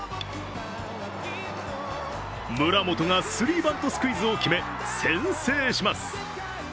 村本がスリーバントスクイズを決め、先制します。